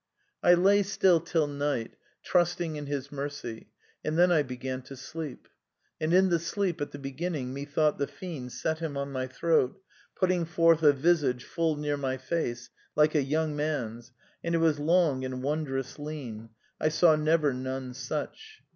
"I lay still till night, trusting in His mercy, and then I began to sleep. And in the sleep, at the beginning, methought the Fiend set him on my throat, putting forth a visage full near my face, like a young man's, and it was long and wondrous lean : I saw never none such.